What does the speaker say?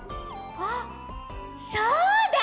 あっそうだ。